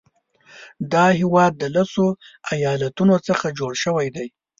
دا هیواد د لسو ایالاتونو څخه جوړ شوی دی.